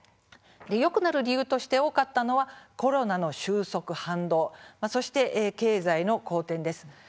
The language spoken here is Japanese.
よくなる理由として多かったのはコロナの収束・反動そして経済の好転です。